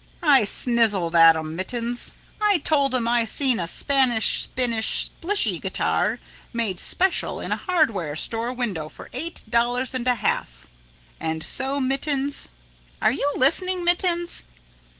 "I snizzled at 'em, mittens. I told 'em I seen a Spanish Spinnish Splishy guitar made special in a hardware store window for eight dollars and a half. "And so, mittens are you listening, mittens?